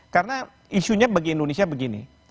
karena isunya bagi indonesia begini